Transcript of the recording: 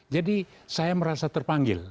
jadi saya merasa terpanggil